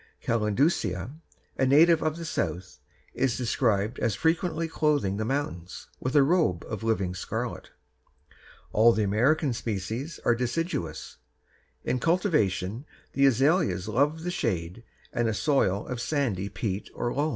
calendulcea_, a native of the South, is described as frequently clothing the mountains with a robe of living scarlet. All the American species are deciduous. In cultivation the azaleas love the shade and a soil of sandy peat or loam.